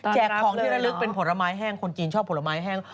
ของที่ระลึกเป็นผลไม้แห้งคนจีนชอบผลไม้แห้ง